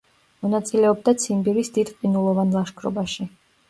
მონაწილეობდა ციმბირის „დიდ ყინულოვან“ ლაშქრობაში.